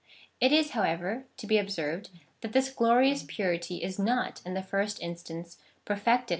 It is, hoAvever, to be obsei ved, that this glorious purity is not in the first instance perfected CHAP.